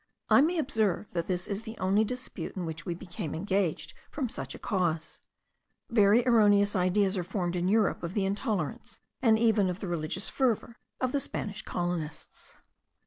I may observe, that this is the only dispute in which we became engaged from such a cause. Very erroneous ideas are formed in Europe of the intolerance, and even of the religious fervour of the Spanish colonists.